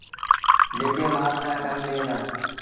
جيڪي مآل لآ ڪم ڏيݩ ديٚݩ۔